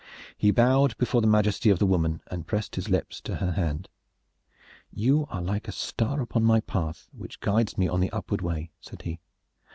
He bowed before the majesty of the woman, and pressed his lips to her hand. "You are like a star upon my path which guides me on the upward way," said he.